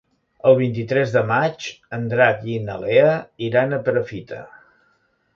El vint-i-tres de maig en Drac i na Lea iran a Perafita.